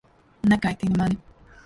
Nekaitini mani!